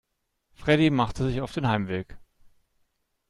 Freddie machte sich auf den Heimweg.